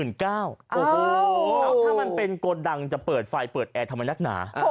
ถ้ามันเป็นโกดังจะเปิดไฟเปิดแอร์ทำไมนักหนา